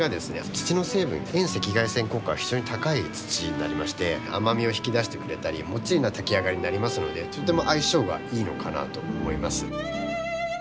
土の成分遠赤外線効果が非常に高い土になりまして甘みを引き出してくれたりもっちりな炊き上がりになりますのでとても相性がいいのかなと思います。